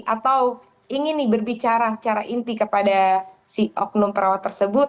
atau ingin berbicara secara inti kepada si oknum perawat tersebut